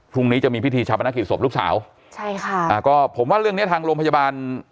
พรุ่งนี้จะมีพิธีชาปนกิจศพลูกสาวใช่ค่ะอ่าก็ผมว่าเรื่องเนี้ยทางโรงพยาบาล